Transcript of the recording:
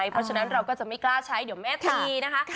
เพราะฉะนั้นเราก็จะไม่กล้าใช้เดี๋ยวแม่ตีนะคะ